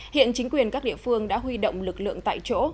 hiện chính quyền các địa phương đã huy động lực lượng tại chỗ